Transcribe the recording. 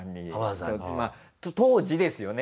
当時ですよね。